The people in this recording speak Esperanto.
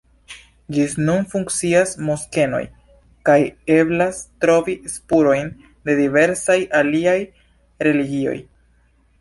Ĝis nun funkcias moskeoj kaj eblas trovi spurojn de diversaj aliaj religioj.